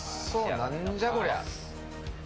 何じゃこりゃ。